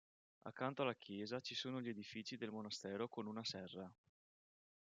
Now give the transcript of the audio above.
Accanto alla chiesa ci sono gli edifici del monastero con una serra.